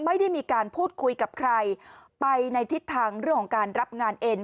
ไม่ได้มีการพูดคุยกับใครไปในทิศทางเรื่องของการรับงานเอ็น